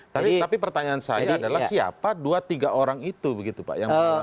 tapi pertanyaan saya adalah siapa dua tiga orang itu pak